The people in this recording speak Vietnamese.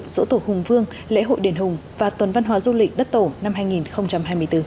sổ tổ hùng vương lễ hội đền hùng và tuần văn hóa du lịch đất tổ năm hai nghìn hai mươi bốn